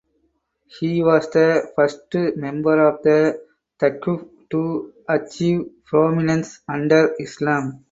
He was the first member of the Thaqif to achieve prominence under Islam.